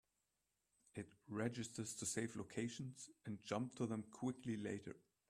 It registers to save locations and jump to them quickly later.